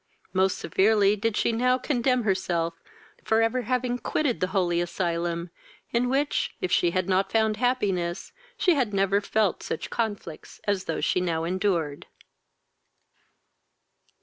Most severely did she now condemn herself for every having quitted the holy asylum, in which, if she had not found happiness, she had never felt such conflicts as those she now endured.